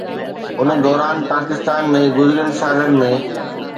ان دوران پاڪستان ۾ گذريل سالن ۾